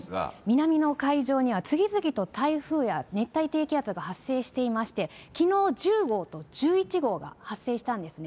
南の海上には次々と台風や熱帯低気圧が発生していまして、きのう１０号と１１号が発生したんですね。